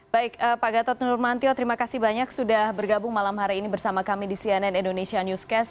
baik pak gatot nurmantio terima kasih banyak sudah bergabung malam hari ini bersama kami di cnn indonesia newscast